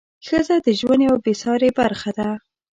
ښځه د ژوند یوه بې سارې برخه ده.